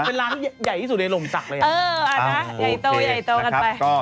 เป็นร้านใหญ่ที่สุดในโลมจักรเลยอะนะใหญ่โตกันไป